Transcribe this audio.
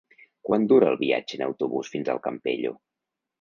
Quant dura el viatge en autobús fins al Campello?